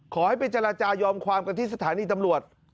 ขอให้ไปเจรจายอมความกันที่สถานีตำรวจ